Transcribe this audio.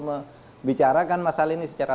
membicarakan masalah ini secara